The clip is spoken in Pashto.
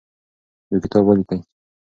یو کتاب ولیکئ.